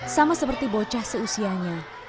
sama seperti bocah seusianya